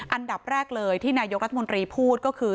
อันดับแรกเลยที่นายกรัฐมนตรีพูดก็คือ